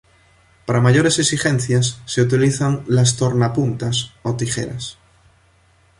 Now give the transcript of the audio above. Para mayores exigencias se utilizan las tornapuntas o tijeras.